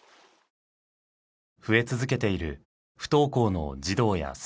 増え続けている不登校の児童や生徒。